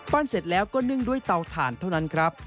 เสร็จแล้วก็นึ่งด้วยเตาถ่านเท่านั้นครับ